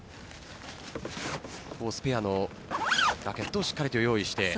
スペアのラケットをしっかりと用意して。